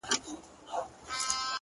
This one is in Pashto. څه ژوندون دی څه غمونه څه ژړا ده!